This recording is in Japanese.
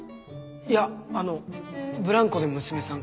いやあのブランコで娘さん